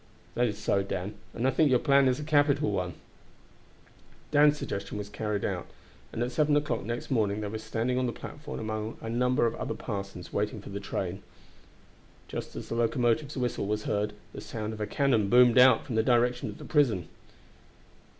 "That is so, Dan; and I think your plan is a capital one." Dan's suggestion was carried out, and at seven o'clock next morning they were standing on the platform among a number of other parsons waiting for the train. Just as the locomotive's whistle was heard the sound of a cannon boomed out from the direction of the prison.